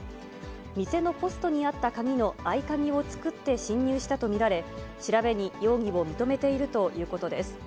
店のポストにあった鍵の合鍵を作って侵入したと見られ、調べに、容疑を認めているということです。